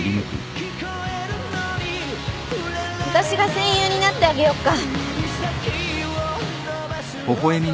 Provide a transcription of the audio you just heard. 私が戦友になってあげよっか。